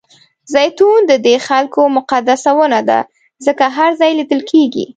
زیتون ددې خلکو مقدسه ونه ده ځکه هر ځای لیدل کېږي.